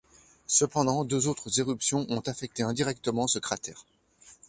Cependant, deux autres éruptions ont affecté indirectement ce cratère.